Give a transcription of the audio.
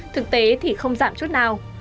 thực tế thì không giảm chút nào